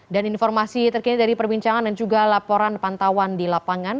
dan informasi terkini dari perbincangan dan juga laporan pantauan di lapangan